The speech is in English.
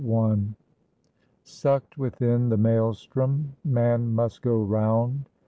Sucked within the Maelstrom, man must go round.